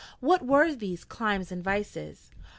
What were these climes and vices?'